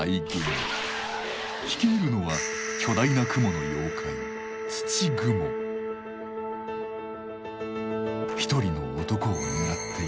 率いるのは巨大な蜘蛛の妖怪一人の男を狙っています。